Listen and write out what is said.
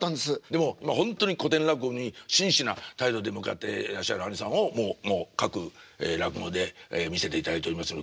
でもほんとに古典落語に真摯な態度で向かってらっしゃるあにさんをもう各落語で見せていただいております。